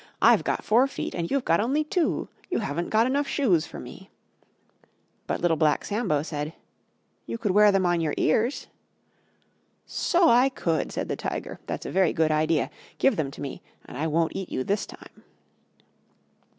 I've got four feet and you've got only two." "You haven't got enough shoes for me." But Little Black Sambo said, "You could wear them on your ears." "So I could," said the Tiger, "that's a very good idea. Give them to me, and I won't eat you this time."